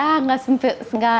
ah nggak semestinya